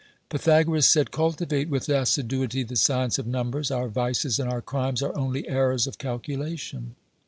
Pythagoras said: "Cultivate with assiduity the science of numbers ; our vices and our crimes are only errors of calculation."